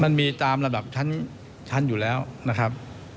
มันมีตามระดับชั้นอยู่แล้วนะครับ